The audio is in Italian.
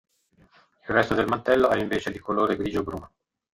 Il resto del mantello è invece di colore grigio-bruno.